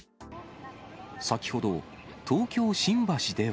先ほど、東京・新橋では。